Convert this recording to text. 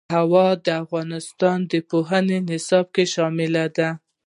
هوا د افغانستان د پوهنې نصاب کې شامل دي.